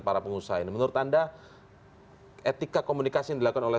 para pengusaha ini menurut anda etika komunikasi yang dilakukan oleh